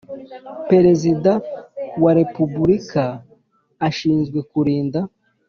Perezida wa repubulika ashinzwe kurinda